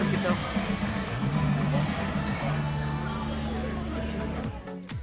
jadi rasanya asam asam segar